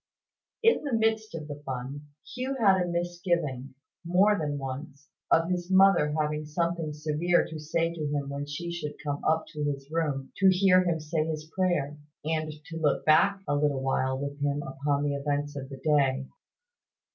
In the midst of the fun, Hugh had a misgiving, more than once, of his mother having something severe to say to him when she should come up to his room, to hear him say his prayer, and to look back a little with him upon the events of the day.